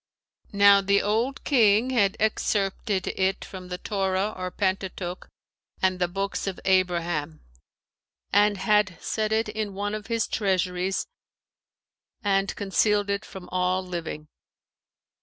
Now the old King had excerpted it from the Torah or Pentateuch and the Books of Abraham; and had set it in one of his treasuries and concealed it from all living.